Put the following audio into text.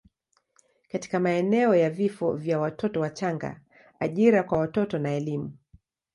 katika maeneo ya vifo vya watoto wachanga, ajira kwa watoto na elimu.